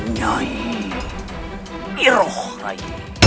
nyai iroh rai